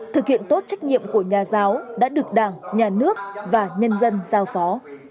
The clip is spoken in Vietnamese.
thực hiện tốt trách nhiệm của nhà giáo đã được đảng nhà nước và nhân dân giao phó